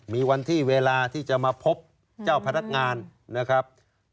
มีวันที่เวลาที่จะมาพบเจ้าพนักงานนะครับ